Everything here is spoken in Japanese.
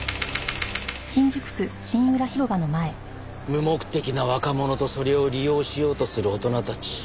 無目的な若者とそれを利用しようとする大人たち。